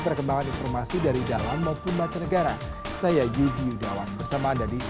perkembangan informasi dari dalam maupun macet negara saya yudi yudhawan bersama anda di cnn